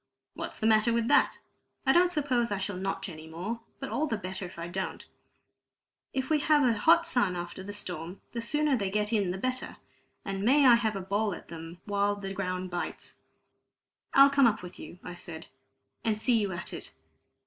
What's the matter with that? I don't suppose I shall notch any more, but all the better if I don't; if we have a hot sun after the storm, the sooner they get in the better; and may I have a bowl at them while the ground bites!" "I'll come up with you," I said, "and see you at it."